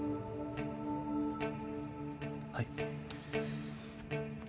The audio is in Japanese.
はい。